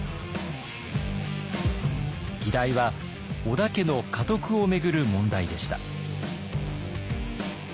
議題は織田家の家督を巡る問題でした。